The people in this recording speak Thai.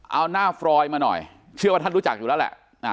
เอาหน้าฟรอยมาหน่อยเชื่อว่าท่านรู้จักอยู่แล้วแหละ